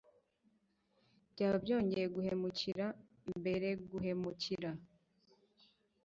Byaba byongeye guhemukira mbereguhemukira